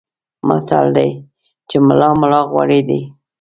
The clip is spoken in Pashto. متل دی چې ملا ملا غوړي دي.